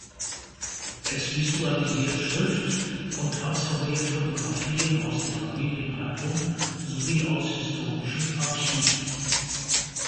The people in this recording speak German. Es visualisiert Schrift und transformiert Fotografien aus dem Familienalbum sowie aus historischen Archiven.